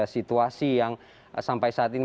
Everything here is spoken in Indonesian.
situasi yang sampai saat ini